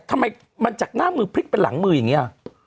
ทำไมมันจากหน้ามือพลิกไปหลังมืออย่างนี้